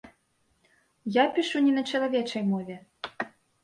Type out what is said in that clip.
Я пішу не на чалавечай мове.